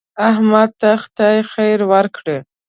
احمد ته خدای خیر ورکړي.